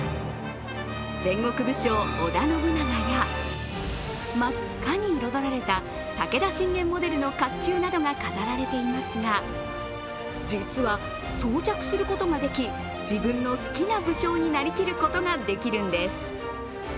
戦国武将・織田信長や真っ赤に彩られた武田信玄モデルの甲冑などが飾られていますが実は、装着することができ、自分の好きな武将になりきることができるんです。